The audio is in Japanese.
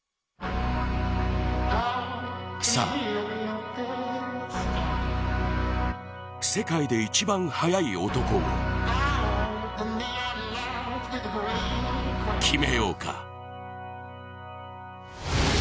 さあ、世界で一番速い男を決めようか。